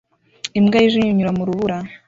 Imbwa yijimye inyura mu rubura